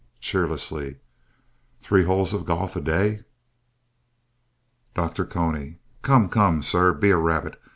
(Cheerlessly) Three holes of golf a day! DR. CONY Come, come, sir, be a rabbit.